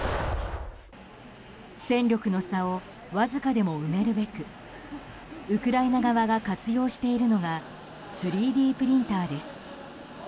戦力の差をわずかでも埋めるべくウクライナ側が活用しているのが３Ｄプリンターです。